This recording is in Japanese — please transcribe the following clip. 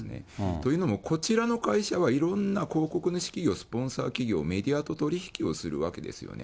というのも、こちらの会社はいろんな広告の資金をスポンサー企業、メディアと取り引きをするわけですよね。